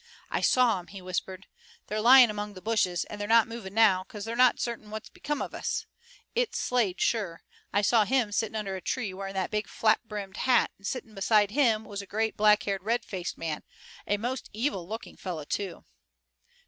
"I saw 'em," he whispered. "They're lying among the bushes, and they're not moving now, 'cause they're not certain what's become of us. It's Slade sure. I saw him sitting under a tree, wearing that big flap brimmed hat, and sitting beside him was a great, black haired, red faced man, a most evil looking fellow, too."